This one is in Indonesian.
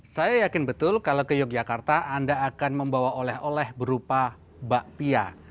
saya yakin betul kalau ke yogyakarta anda akan membawa oleh oleh berupa bakpia